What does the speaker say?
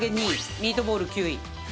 ミートボール９位？